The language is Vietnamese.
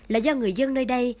là do người dân nơi đây